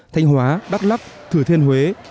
thanh hóa đắk lắp thừa thiên huế